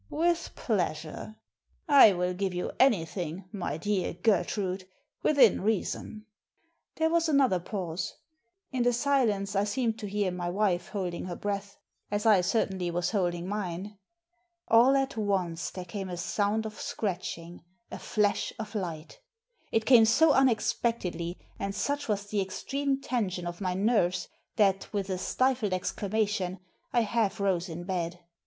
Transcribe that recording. "With pleasure. I will give you anything, my dear Gertrude, within reason." There was another pause.. In the silence I seemed to hear my wife Digitized by VjOOQIC 2/6 THE SEEN AND THE UNSEEN holding her breath — ^as I certainly was holding mine. All at once there came a sound of scratching^, a flash of light It came so unexpectedly, and such was the extreme tension of my nerves, that, with a stifled exclamation, I half rose in bed.